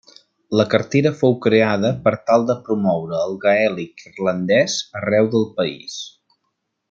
La cartera fou creada per tal de promoure el gaèlic irlandès arreu del país.